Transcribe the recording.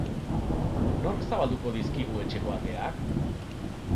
Nork zabalduko dizkigu etxeko ateak?